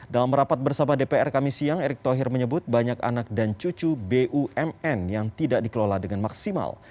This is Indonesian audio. dalam rapat bersama dpr kami siang erick thohir menyebut banyak anak dan cucu bumn yang tidak dikelola dengan maksimal